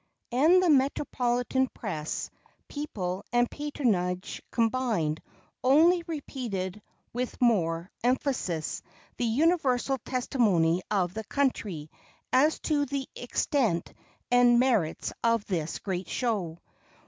And the metropolitan press, people and patronage combined, only repeated with more emphasis, the universal testimony of the country as to the extent and merits of this great show.